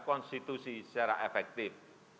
konstitusi secara efektif